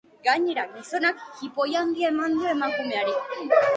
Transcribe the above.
Gainera, gizonak jipoi handia eman dio emakumeari.